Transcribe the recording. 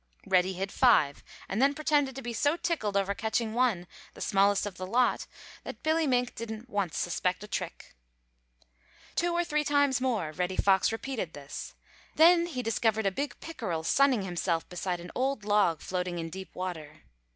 Reddy hid five and then pretended to be so tickled over catching one, the smallest of the lot, that Billy Mink didn't once suspect a trick. Two or three times more Reddy Fox repeated this. Then he discovered a big pickerel sunning himself beside an old log floating in deep water.